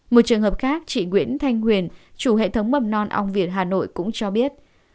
một trường hợp khác chị nguyễn thanh huyền chủ hệ thống mầm non ong việt hà nội cũng cho biết